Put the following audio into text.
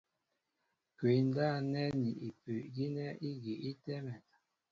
Kwǐ ndáp nɛ́ ni ipu' gínɛ́ ígi í tɛ́mɛ.